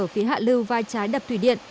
phía hạ lưu vai trái đập thủy điện